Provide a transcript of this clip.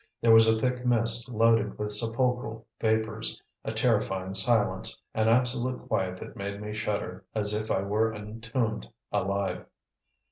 There was a thick mist loaded with sepulchral vapors, a terrifying silence, an absolute quiet that made me shudder, as if I were entombed alive.